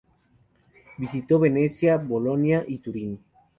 Visitó Venecia, Bolonia y Turín.